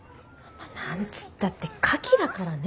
何つったってカキだからね